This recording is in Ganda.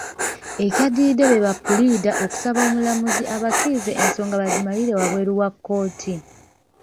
Ekyaddiridde be bapuliida okusaba omulamuzi abakkirize ensonga bazimalire wabweru wa kkooti.